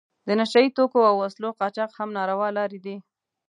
د نشه یي توکو او وسلو قاچاق هم ناروا لارې دي.